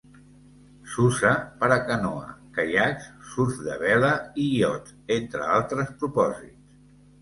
S'usa per a canoa, caiacs, surf de vela i iots, entre altres propòsits.